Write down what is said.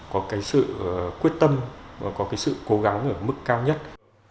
có sự quyết tâm và có sự cố gắng ở mức cao nhất